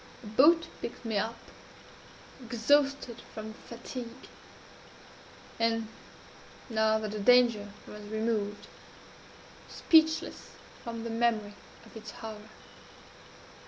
A boat picked me up exhausted from fatigue and (now that the danger was removed) speechless from the memory of its horror.